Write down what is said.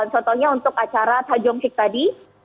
contohnya untuk acara ta jong sik tadi